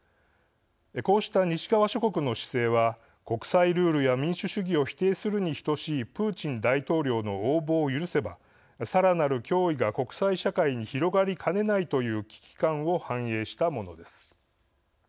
こうした西側諸国の姿勢は国際ルールや民主主義を否定するに等しいプーチン大統領の横暴を許せばさらなる脅威が国際社会に広がりかねないという危機感を反映したものです。